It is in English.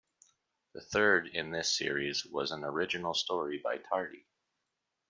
The third in this series was an original story by Tardi.